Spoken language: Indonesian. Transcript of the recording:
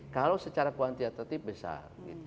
kalau secara kuantitatif besar